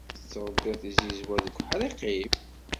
Tettṛebbiḍ tizizwa deg uḥṛiq-im?